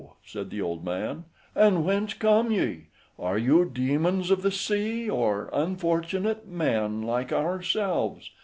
said the old man; "and whence come ye? are you daemons of the sea, or unfortunate men, like ourselves?